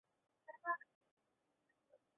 云南野扇花为黄杨科野扇花属的植物。